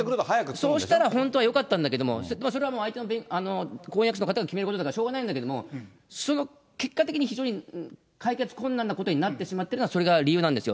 そうしたら本当はよかったんですけれども、それはもう相手の婚約者の方が決めることだからしょうがないんだけども、結果的に非常に解決困難なことになってしまってるのは、それが理由なんですよ。